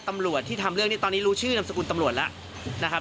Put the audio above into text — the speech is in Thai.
ตำรวจที่ทำเรื่องนี้ตอนนี้รู้ชื่อนามสกุลตำรวจแล้วนะครับ